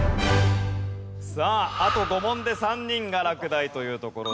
あと５問で３人が落第というところです。